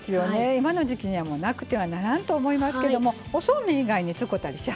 今の時期にはもうなくてはならんと思いますけどもおそうめん以外に使うたりしはります？